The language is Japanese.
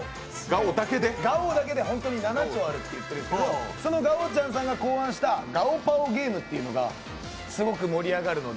ガオだけで７兆あると言われているんですけどそのガオちゃんさんが考案した「ガオパオゲーム」がすごく盛り上がるので。